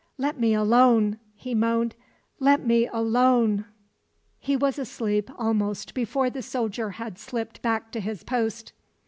"Let me alone!" he moaned. "Let me alone " He was asleep almost before the soldier had slipped back to his post.